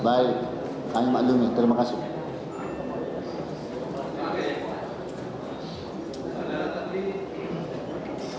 baik kami maklumi terima kasih